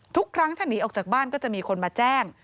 ทุกครั้งถ้าหนีออกจากบ้านก็จะมีคนมาแจ้ง